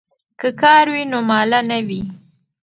که کار وي نو ماله نه وي.